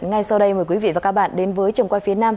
ngay sau đây mời quý vị và các bạn đến với trường quay phía nam